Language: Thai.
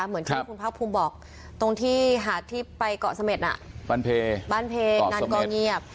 เหมือนที่คุณพักภูมิบอกตรงที่หาดที่ไปเกาะสเม็ดบ้านเพนนันกองเงียบ